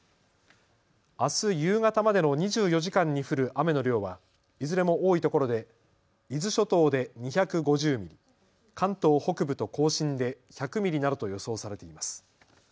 あす夕方までの２４時間に降る雨の量はいずれも多いところで伊豆諸島で２５０ミリ、関東北部と甲信で１００ミリなどと予想されています。